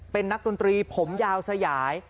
เป็นนักดนตรีผมยาวสยาย